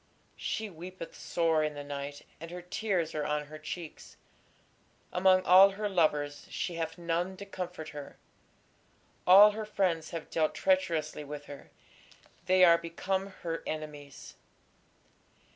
She weepeth sore in the night, and her tears are on her cheeks: among all her lovers she hath none to comfort her: all her friends have dealt treacherously with her, they are become her enemies.